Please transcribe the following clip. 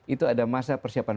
itu ada masa persiapan